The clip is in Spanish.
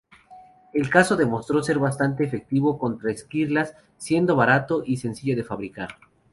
El casco demostró ser bastante efectivo contra esquirlas, siendo barato y sencillo de fabricar.